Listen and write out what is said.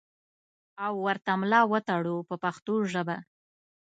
او ورته ملا وتړو په پښتو ژبه.